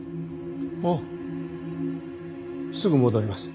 ああすぐ戻ります。